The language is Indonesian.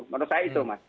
menurut saya itu mas